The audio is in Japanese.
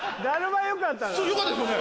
そうよかったですよね。